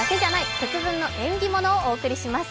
節分の縁起物」をお伝えします。